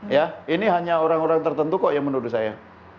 ya ini hanya orang orang tertentu kok yang menurut saya